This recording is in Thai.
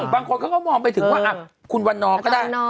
บางคนเขาก็มองไปถึงว่าคุณวันนอร์ก็ได้